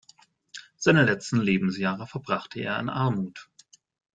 Seine letzten Lebensjahre verbrachte er in Armut.